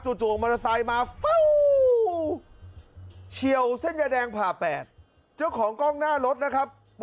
จู่มอเตอร์ไซค์มาเฝ้าเฉียวเส้นยาแดงผ่าแปดเจ้าของกล้องหน้ารถนะครับ